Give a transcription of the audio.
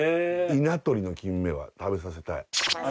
稲取のキンメは食べさせたい。